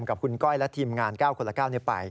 กับคุณก้อยและทีมงาน๙คนละ๙ไป